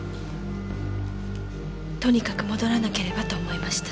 とにかく戻らなければと思いました。